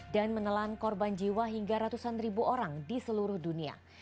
dan mengelan korban jiwa hingga ratusan ribu orang di seluruh dunia